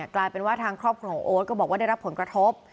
กลายเป็นว่าทางครอบครัวของโอ๊ตก็บอกว่าได้รับผลกระทบ